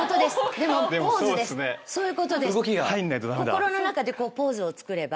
心の中でポーズをつくれば。